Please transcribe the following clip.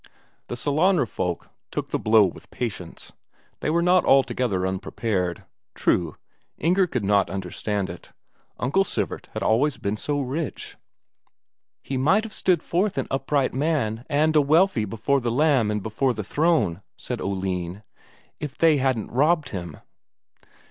The Sellanraa folk took the blow with patience; they were not altogether unprepared. True, Inger could not understand it Uncle Sivert that had always been so rich.... "He might have stood forth an upright man and a wealthy before the Lamb and before the Throne," said Oline, "if they hadn't robbed him."